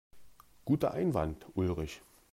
Guter Einwand, Ulrich.